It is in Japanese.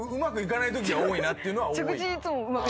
着地いつもうまく。